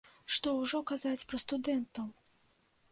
Што ўжо казаць пра студэнтаў!